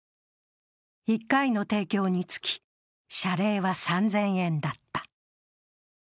１回の提供につき、謝礼は３０００円だった。